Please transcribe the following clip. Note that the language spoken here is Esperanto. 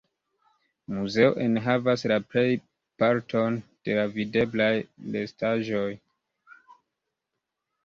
Muzeo enhavas la plejparton de la videblaj restaĵoj.